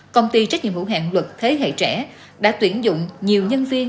công ty trách nhiệm hữu hạng luật thế hệ trẻ đã tuyển dụng nhiều nhân viên